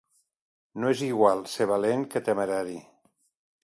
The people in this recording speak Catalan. No és igual ser valent que temerari.